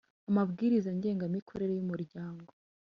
amabwiriza ngengamikorere y Umuryango